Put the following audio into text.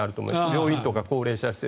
病院とか高齢者施設。